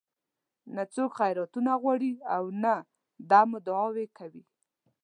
نه څوک خیراتونه غواړي او نه دم دعاوې کوي.